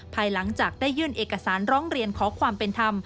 ภายหลังจากได้ยื่นเอกสารร้องเรียนขอความเป็นธรรม